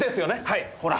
はいほら！